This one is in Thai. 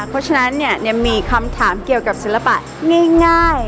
เพราะฉะนั้นเนี่ยมีคำถามเกี่ยวกับศิลปะง่าย